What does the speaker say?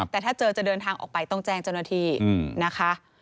แต่ถ้าเจอจะเดินทางออกไปต้องแจ้งเจ้าหน้าที่นะคะ